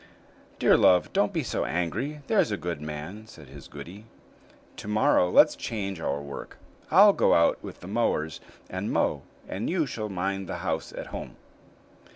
"Dear love, don't be so angry; there's a good man," said his goody; "to morrow let's change our work. I'll go out with the mowers and mow, and you shall mind the house at home."